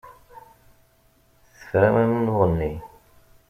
Tefram amennuɣ-nni.